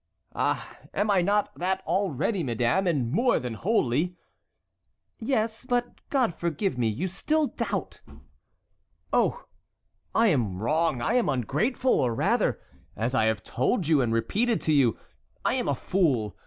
"Ah! am I not that already, madame, and more than wholly?" "Yes, but, God forgive me, you still doubt!" "Oh! I am wrong, I am ungrateful, or, rather, as I have told you and repeated to you, I am a fool.